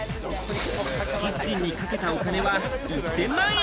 キッチンにかけたお金は１０００万円。